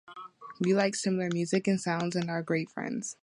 We like similar music and sounds and are great friends.